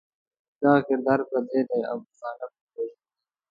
دغه کردار پردی دی او پښتانه پکې وژل کېږي.